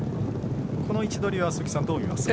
この位置取りは鈴木さん、どう見ますか？